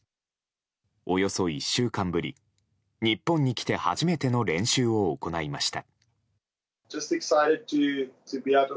およそ１週間ぶり日本に来て初めての練習を行いました。